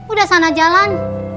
udah sana jalan